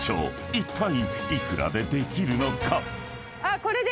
［いったい幾らでできるのか？］